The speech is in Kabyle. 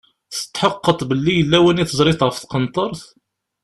Tetḥeqqeḍ belli yella win i teẓriḍ ɣef tqenṭert?